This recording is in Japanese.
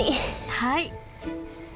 はい。